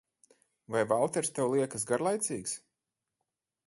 Vai Valters tev liekas garlaicīgs?